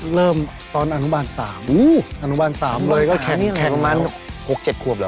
เริ่มตอนอนุบาล๓อนุบาล๓แขกมัน๖๗ควบเหรอ